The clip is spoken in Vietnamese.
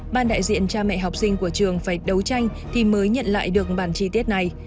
ban đại diện cha mẹ học sinh của trường phải đấu tranh thì mới nhận lại được bản chi tiết này